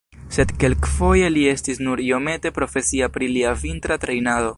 Sed kelkfoje li estis nur iomete profesia pri lia vintra trejnado.